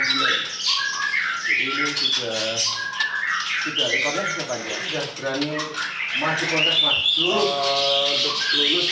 untuk yang bulet sendiri ini pakai umur empat enam bulan